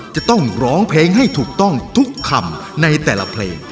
จะต้องร้องเพลงให้ถูกต้องทุกคำในแต่ละเพลง